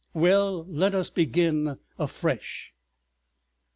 Well, let us begin afresh."